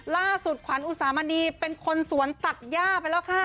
ขวัญอุสามณีเป็นคนสวนตัดย่าไปแล้วค่ะ